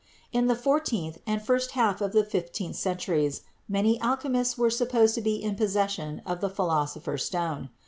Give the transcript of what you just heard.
In the fourteenth and first half of the fifteenth centuries many alchemists were supposed to be in possession of the Philosopher's Stone.